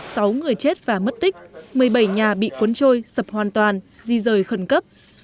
sáu người chết và mất tích một mươi bảy nhà bị cuốn trôi sập hoàn toàn di rời khẩn cấp